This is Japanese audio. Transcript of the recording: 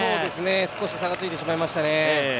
少し差がついてしまいましたね。